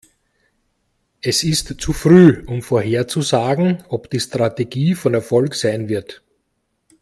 Es ist zu früh, um vorherzusagen, ob die Strategie von Erfolg sein wird.